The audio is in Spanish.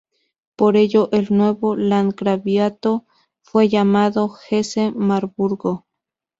Por ello, el nuevo landgraviato fue llamado Hesse-Marburgo.